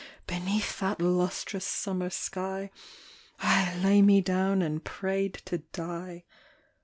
Beneath that lustrous summer sky, I lay me down and prayed to die.